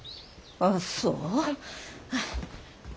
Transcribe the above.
あっそう？